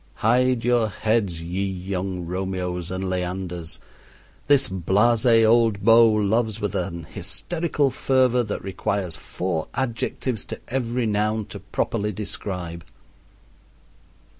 Hide your heads, ye young Romeos and Leanders! this blase old beau loves with an hysterical fervor that requires four adjectives to every noun to properly describe.